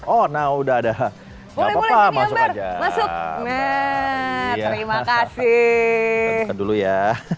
oh nah udah ada przyuk ada ngobrol saja terima kasih dulu ya